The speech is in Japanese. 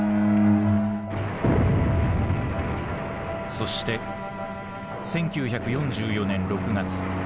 そして１９４４年６月。